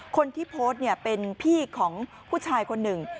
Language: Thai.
คนที่โพสต์เป็นพี่ของผู้ชายคนหนึ่ง